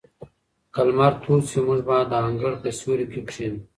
که لمر تود شي، موږ به د انګړ په سیوري کې کښېنو.